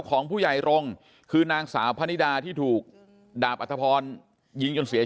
ของผู้ใหญ่รงค์คือนางสาวพะนิดาที่ถูกดาบอัธพรยิงจนเสียชีวิต